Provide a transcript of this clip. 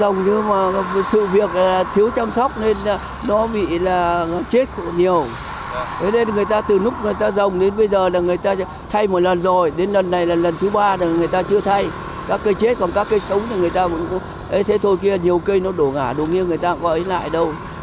nhiều cây nó đổ ngả đổ nghiêng người ta không có ấy lại đâu